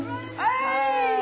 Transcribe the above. はい。